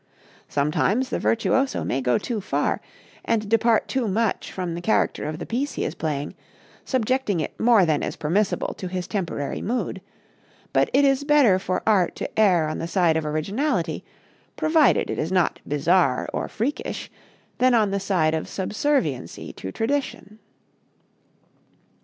Some times the virtuoso may go too far and depart too much from the character of the piece he is playing, subjecting it more than is permissible to his temporary mood; but it is better for art to err on the side of originality, provided it is not bizarre or freakish, than on the side of subserviency to tradition.